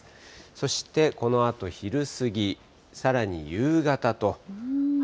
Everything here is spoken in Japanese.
そして、このあと昼過ぎ、さらに夕方と。